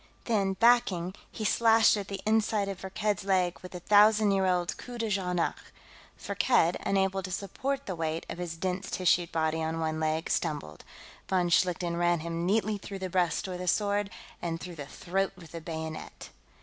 Then, backing, he slashed at the inside of Firkked's leg with the thousand year old coup de Jarnac. Firkked, unable to support the weight of his dense tissued body on one leg, stumbled; von Schlichten ran him neatly through the breast with his sword and through the throat with the bayonet.